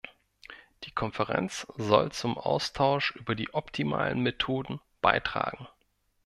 Die Konferenz soll zum Austausch über die optimalen Methoden beitragen.